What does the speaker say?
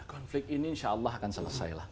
konflik ini insya allah akan selesai lah